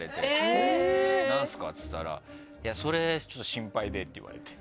「何すか？」っつったら「それちょっと心配で」って言われて。